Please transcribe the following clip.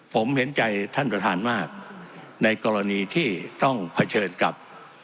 ผมเห็นใจท่านประธานมากในกรณีที่ต้องเผชิญกับ